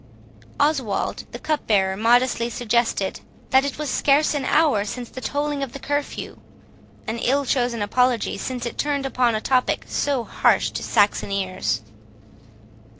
11 Oswald the cupbearer modestly suggested, "that it was scarce an hour since the tolling of the curfew;" an ill chosen apology, since it turned upon a topic so harsh to Saxon ears.